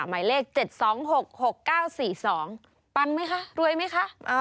หมายเลข๗๒๖๖๙๔๒ปังไหมคะรวยไหมคะ